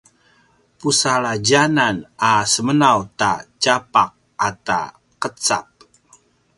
pusaladj anan a semenaw ta tjapaq ata qecap